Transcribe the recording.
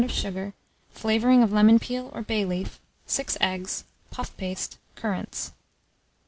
of sugar, flavouring of lemon peel or bay leaf, 6 eggs, puff paste, currants.